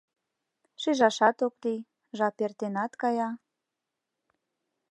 Шижашат ок лий, жап эртенат кая.